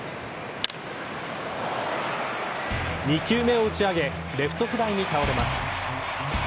２球目を打ち上げレフトフライに倒れます。